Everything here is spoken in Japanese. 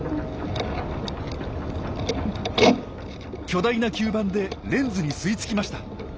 巨大な吸盤でレンズに吸い付きました。